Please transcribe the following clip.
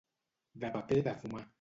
De paper de fumar.